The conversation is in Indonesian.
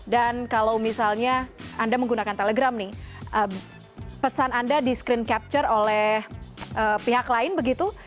dan kalau misalnya anda menggunakan telegram nih pesan anda di screen capture oleh pihak lain begitu